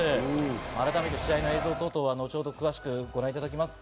改めて試合の映像等々、後ほど詳しくご覧いただきます。